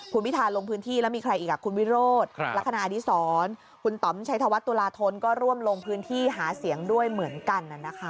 คุณพิธาลงพื้นที่แล้วมีใครอีกคุณวิโรธลักษณะอดีศรคุณต่อมชัยธวัฒนตุลาธนก็ร่วมลงพื้นที่หาเสียงด้วยเหมือนกัน